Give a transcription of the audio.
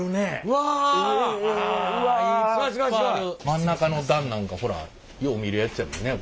真ん中の段なんかほらよう見るやっちゃね。